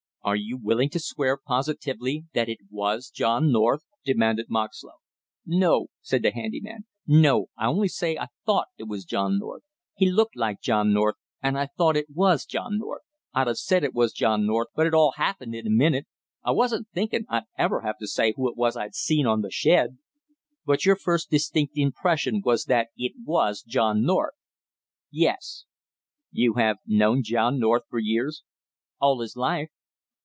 "Are you willing to swear positively that it was John North?" demanded Moxlow. "No " said the handy man, "No, I only say I thought it was John North. He looked like John North, and I thought it was John North, I'd have said it was John North, but it all happened in a minute. I wasn't thinkin' I'd ever have to say who it was I seen on the shed!" "But your first distinct impression was that it was John North?" "Yes." "You have known John North for years?" "All his life."